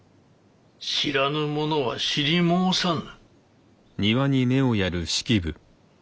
知らぬものは知り申さぬ。